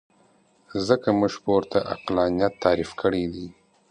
ځکه موږ پورته عقلانیت تعریف کړی دی.